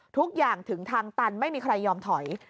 ทุกอย่างถึงทางตันไม่มีใครยอมถอย